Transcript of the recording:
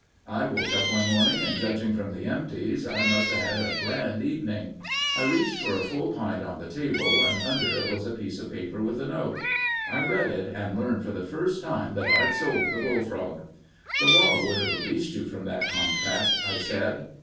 "I woke up one morning and judging from the empties, I must have had a grand evening. I reached for a full pint on the table and under it was a piece of paper with a note. I read it and learned for the first time that I'd sold the Bullfrog." "The law would have released you from that contract," I said.